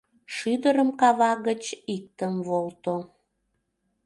Шÿдырым кава гыч иктым волто